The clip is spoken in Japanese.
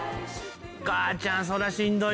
お母ちゃん。